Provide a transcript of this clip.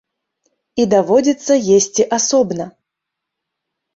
І даводзіцца есці асобна.